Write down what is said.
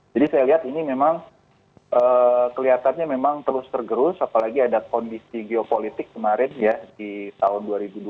jadi saya lihat ini memang kelihatannya memang terus tergerus apalagi ada kondisi geopolitik kemarin ya di tahun dua ribu dua puluh dua